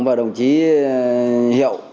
và đồng chí hiệu